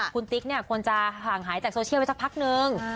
คุณติ๊กเนี่ยควรจะห่างหายจากโซเชียลไปสักพักนึง